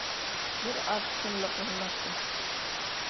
Бер аҙ тынлыҡ урынлашты.